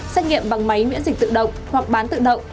xét nghiệm bằng máy miễn dịch tự động hoặc bán tự động